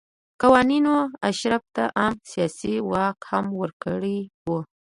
قوانینو اشرافو ته عام سیاسي واک هم ورکړی و.